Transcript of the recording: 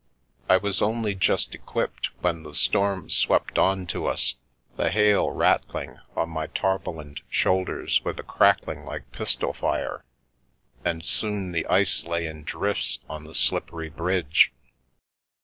I was only just equipped when the storm swept on to us, the hail rattling on my tarpaulined shoulders with a crackling like pistol fire; and soon the ice lay in drifts on the slippery bridge.